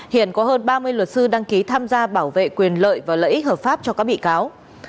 hiện có hơn ba mươi luật sư đăng ký tham gia bảo vệ quyền lợi và lợi ích hợp pháp cho các bị cáo